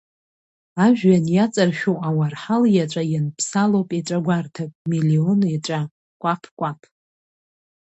Ажәҩан иаҵаршәу ауарҳал иаҵәа ианԥсалоуп еҵәа гәарҭак, миллион еҵәа, кәаԥ-кәаԥ.